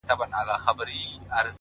• شپه په خندا ده؛ سهار حیران دی؛